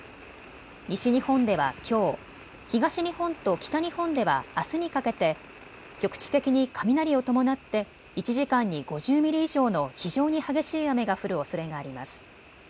西日本ではきょう、東日本と北日本ではあすにかけて局地的に雷を伴って１時間に５０ミリ以上の非常に激しい雨が降るおそれがあります。